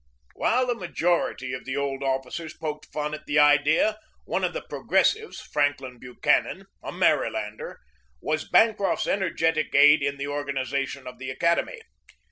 While the majority of the old officers poked fun at the idea, one of the progressives, Franklin Bu chanan, a Marylander, was Bancroft's energetic aid in the organization of the academy.